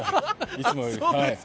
いつもより。